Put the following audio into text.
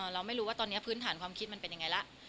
เราไม่รู้ว่าตอนนี้พื้นฐานความคิดมันเป็นยังไงล่ะ